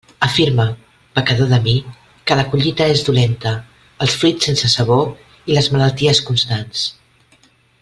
Afirme, pecador de mi, que la collita és dolenta, els fruits sense sabor i les malalties constants.